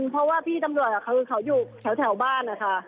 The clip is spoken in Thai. เพราะพี่ตำรวจอยู่แถวบ้านค่ะ